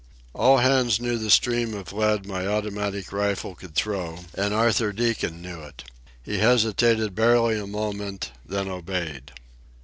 All hands knew the stream of lead my automatic rifle could throw, and Arthur Deacon knew it. He hesitated barely a moment, then obeyed.